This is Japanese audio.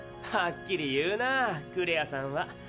はっきり言うなぁクレアさんは。